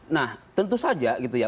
nah tentu saja gitu ya